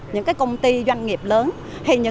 những công ty doanh nghiệp lớn